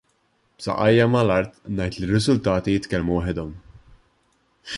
B'saqajja mal-art ngħid li r-riżultati jitkellmu waħedhom.